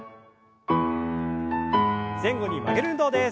前後に曲げる運動です。